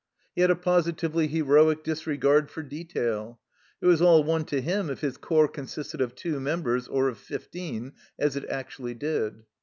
He had a positively heroic disregard for detail ; it was all one to him if his corps consisted of two members or of fifteen, as it actually did.